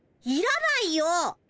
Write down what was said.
いらないよ。